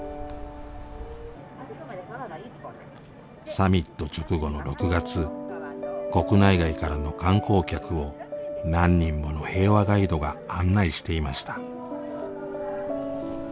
サミット直後の６月国内外からの観光客を何人もの平和ガイドが案内していました。